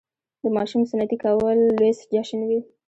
د ماشوم سنتي کول لوی جشن وي.